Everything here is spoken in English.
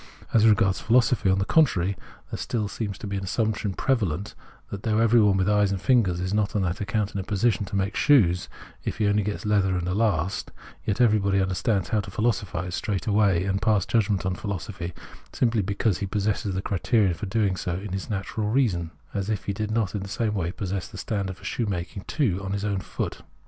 A.S regards philosophy, on the contrary, there seems still an assumption prevalent that, though every one with eyes and fingers is not on that account in a position to make shoes if he only gets leather and a last, yet everybody understands how to philosophise straight away, and pass judgment on philosophy, simply because he possesses the criterion for doing so in his natural reason — as if he did not in the same way possess the standard for shoemaking too in his own foot.